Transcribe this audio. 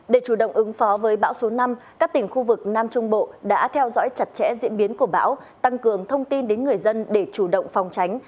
để chủ động ứng phó với bão số năm các tỉnh khu vực nam trung bộ đã theo dõi chặt chẽ diễn biến của bão tăng cường thông tin đến người dân để chủ động phòng tránh